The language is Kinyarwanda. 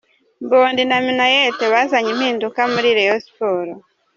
Mbondi na Minnaert bazanye impinduka muri Rayon Sports.